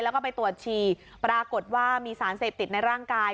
แล้วก็ไปตรวจฉี่ปรากฏว่ามีสารเสพติดในร่างกาย